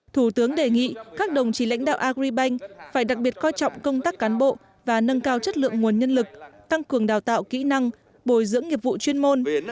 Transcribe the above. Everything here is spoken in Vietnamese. thủ tướng đề nghị các đồng chí lãnh đạo agribank phải đặc biệt coi trọng công tác cán bộ và nâng cao chất lượng nguồn nhân lực tăng cường đào tạo kỹ năng bồi dưỡng nghiệp vụ chuyên môn